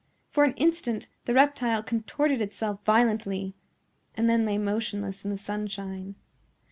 For an instant the reptile contorted itself violently, and then lay motionless in the sunshine.